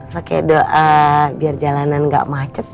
pakai doa biar jalanan gak macet